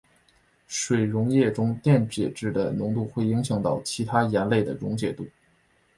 水溶液中电解质的浓度会影响到其他盐类的溶解度。